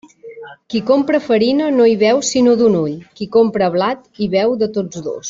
Qui compra farina no hi veu sinó d'un ull; qui compra blat hi veu de tots dos.